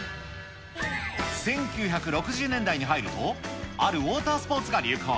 １９６０年代に入ると、あるウォータースポーツが流行。